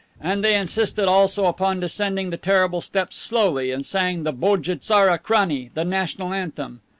And they insisted also upon descending the terrible steps slowly, and sang the Bodje tsara Krani, the national anthem!